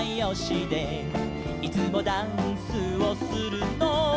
「いつもダンスをするのは」